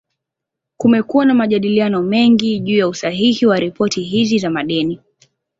Kumekuwa na majadiliano mengi juu ya usahihi wa ripoti hizi za madeni.